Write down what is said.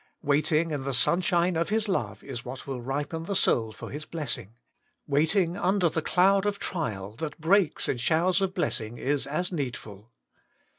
Wait ing in the sunshine of His love is what will ripen the soul for His blessing. Waiting under the cloud of trial, that breaks in showers of blessing, is as needful.